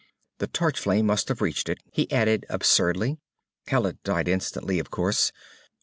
The torch flame must have reached it." He added absurdly. "Hallet died instantly, of course.